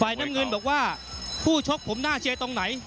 น้ำเงินบอกว่าผู้ชกผมน่าเชียร์ตรงไหน